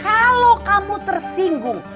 kalau kamu tersinggung